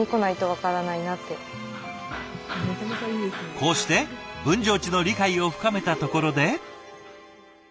こうして分譲地の理解を深めたところで。